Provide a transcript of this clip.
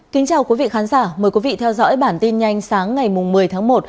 kính chào quý vị khán giả mời quý vị theo dõi bản tin nhanh sáng ngày một mươi tháng một